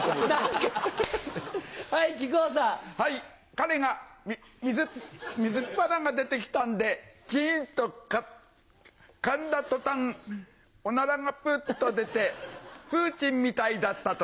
彼が水っ鼻が出てきたんでチンとかんだ途端オナラがプッと出てプーチンみたいだった時。